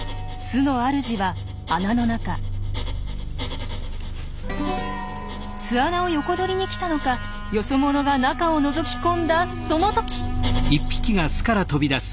巣穴を横取りに来たのかよそ者が中をのぞき込んだその時。